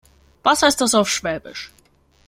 Was heißt das auf Schwäbisch?